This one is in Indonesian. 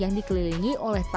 dan dear sifeng